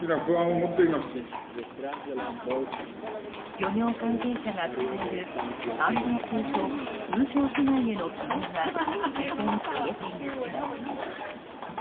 漁業関係者が抱える安全性と風評被害への懸念は依然、消えていません。